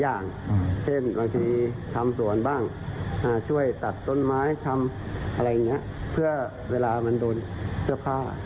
อย่างเช่นบางทีทำสวนบ้างช่วยตัดต้นไม้ทำอะไรอย่างนี้เพื่อเวลามันโดนเสื้อผ้า